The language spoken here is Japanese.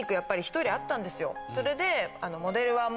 それで。